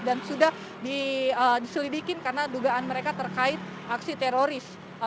dan sudah diselidikin karena dugaan mereka terkait aksi teroris